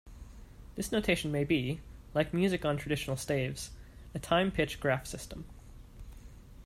This notation may be, like music on traditional staves, a time-pitch graph system.